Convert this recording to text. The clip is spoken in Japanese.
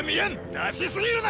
出しすぎるな！